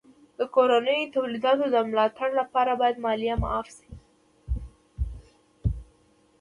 د کورنیو تولیداتو د ملا تړ لپاره باید مالیه معاف سي.